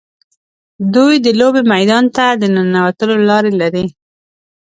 دوی د لوبې میدان ته د ننوتلو لارې لري.